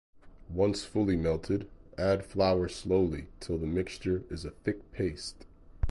once fully melted add flour slowly till the mixture is a thick paste.